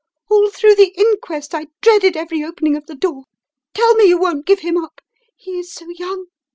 All through the inquest I dreaded every opening of the door! Tell me you won't give him up. He is so young.